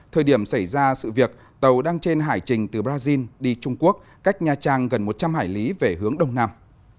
thời điểm xảy ra sự việc tàu đang trên hải trình từ brazil đi trung quốc cách nha trang gần một trăm linh hải lý về hướng đông nam